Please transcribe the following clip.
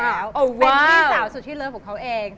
เป็นพี่สาวสุดที่เลิฟของเขาเอง